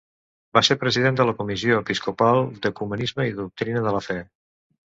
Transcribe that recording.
Va ser president de la Comissió Episcopal d'Ecumenisme i la Doctrina de la Fe.